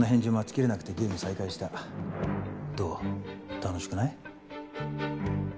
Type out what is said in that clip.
楽しくない？